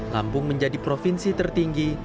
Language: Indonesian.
kampung menjadi provinsi tertinggi